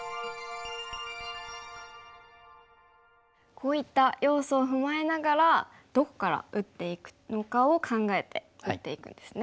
こういった要素を踏まえながらどこから打っていくのかを考えて打っていくんですね。